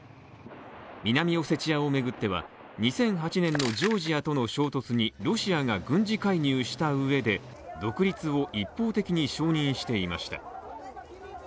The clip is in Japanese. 南オセチアを巡っては２００８年のジョージアとの衝突にロシアが軍事介入したうえで独立を一方的に承認していました。